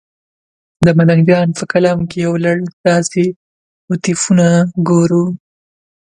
د ملنګ جان په کلام کې یو لړ داسې موتیفونه ګورو.